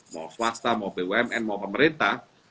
mau swasta mau bumn mau pemerintah